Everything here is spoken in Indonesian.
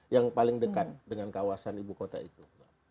yang paling dekat dengan kawasan ibu kota itu